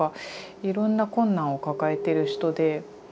いろんな困難を抱えてる人で。